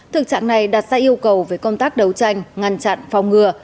thực trạng này đặt ra yêu cầu về công tác đấu tranh ngăn chặn phòng ngừa